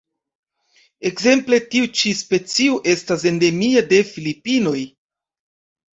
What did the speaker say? Ekzemple tiu ĉi specio estas endemia de Filipinoj.